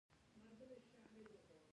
ورزش د بدن هر غړی فعال ساتي.